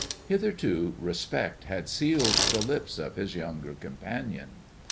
Hitherto respect had sealed the lips of his yooDger companioD.